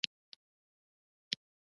د مادې تر ټولو کوچنۍ ذره څه نومیږي.